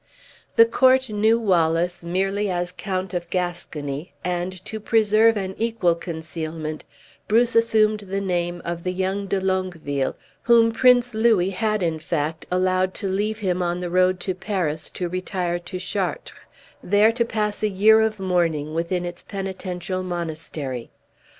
The court knew Wallace merely as Count of Gascony; and, to preserve an equal concealment, Bruce assumed the name of the young De Longueville, whom Prince Louis had, in fact, allowed to leave him on the road to Paris to retire to Chartres, there to pass a year of mourning within its penitential monastery.